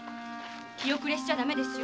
気後れしちゃダメですよ。